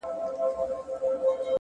پوهه د انسان لید پراخوي،